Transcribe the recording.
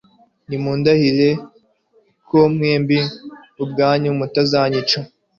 nimundahire ko mwebwe ubwanyu mutazanyica